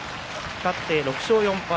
勝って６勝４敗。